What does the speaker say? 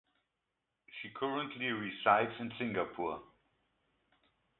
She currently resides in Singapore.